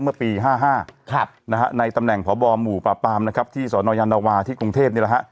เมื่อปีห้าห้าครับนะฮะในตำแห่งพบมบปที่แล้วล่ะฮะ